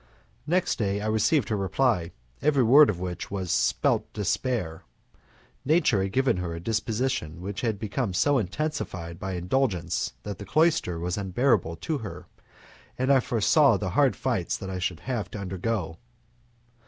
Next day I received her reply, every word of which spelt despair. Nature had given her a disposition which had become so intensified by indulgence that the cloister was unbearable to her, and I foresaw the hard fights I should have to undergo.